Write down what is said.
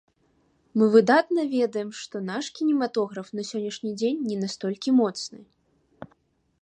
Мы выдатна ведаем, што наш кінематограф на сённяшні дзень не настолькі моцны.